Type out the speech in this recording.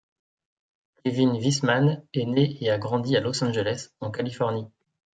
Kevin Weisman est né et a grandi à Los Angeles, en Californie.